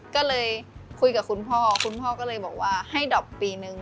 ก็เลยคุยกับคุณพ่อคุณพ่อก็เลยบอกว่าให้ดอบปีนึง